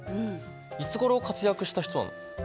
いつごろ活躍した人なの？